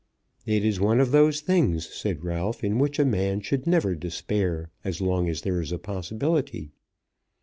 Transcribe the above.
"It is one of those things," said Ralph, "in which a man should never despair as long as there is a possibility."